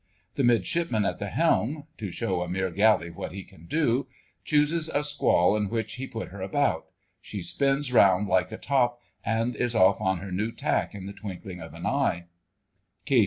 The Midshipman at the helm—to show a mere galley what he can do—chooses a squall in which he put her about; she spins round like a top, and is off on her new tack in the twinkling of an eye.